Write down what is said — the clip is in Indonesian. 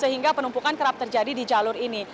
sehingga penumpukan kerap terjadi di jalur ini